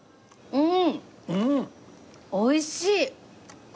うん。